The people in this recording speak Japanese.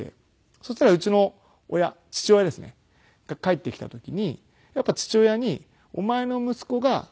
そしたらうちの親父親ですね。が帰ってきた時にやっぱり父親にお前の息子が泥棒したと。